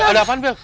ada apaan bel